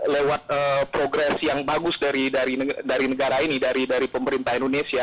lewat progres yang bagus dari negara ini dari pemerintah indonesia